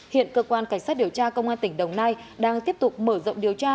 hiện cơ quan cảnh sát điều tra công an tỉnh đồng nai đang tiếp tục mở rộng điều tra